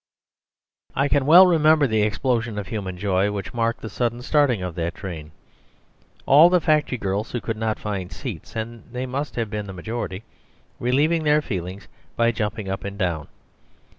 I can well remember the explosion of human joy which marked the sudden starting of that train; all the factory girls who could not find seats (and they must have been the majority) relieving their feelings by jumping up and down.